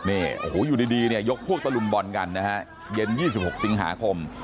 นี่โอ้โหอยู่ดีเนี่ยยกพวกตะลุมบอลกันนะฮะเย็น๒๖สิงหาคม